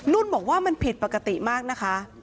นุ่นบอกว่ามันผิดปกติมากนะคะ